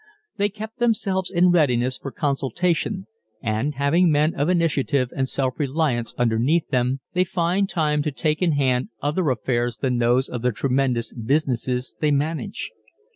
They keep themselves in readiness for consultation, and having men of initiative and self reliance underneath them, they find time to take in hand other affairs than those of the tremendous businesses they manage.